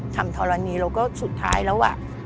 ทำธรณีเราก็สุดท้ายแล้ว